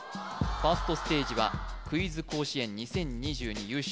ファーストステージはクイズ甲子園２０２２優勝